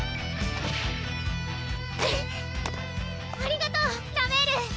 ありがとうラメール！